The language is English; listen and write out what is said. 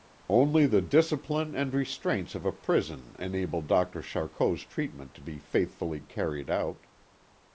Only the discipline and restraints of a prison enabled Dr. Charcot's treatment to be faithfully carried out.